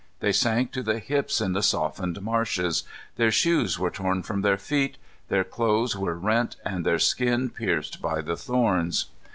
They sank to the hips in the softened marshes. Their shoes were torn from their feet. Their clothes were rent and their skin pierced by the thorns.